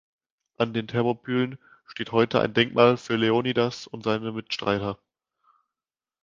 An den Thermopylen steht heute ein Denkmal für Leonidas und seine Mitstreiter.